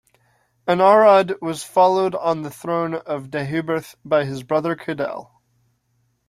Anarawd was followed on the throne of Deheubarth by his brother Cadell.